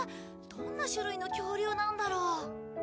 どんな種類の恐竜なんだろう？